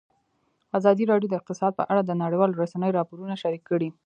ازادي راډیو د اقتصاد په اړه د نړیوالو رسنیو راپورونه شریک کړي.